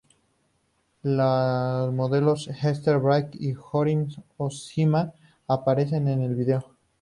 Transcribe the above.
Las modelos Esther Baxter y Hiromi Oshima aparecen en el video.